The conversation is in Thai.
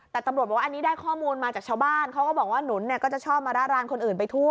แต่ตำรวจบอกว่าอันนี้ได้ข้อมูลมาจากชาวบ้านเขาก็บอกว่าหนุนเนี่ยก็จะชอบมาร่าร้านคนอื่นไปทั่ว